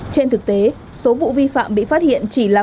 trên thực tế số vụ vi phạm bị phát hiện chỉ là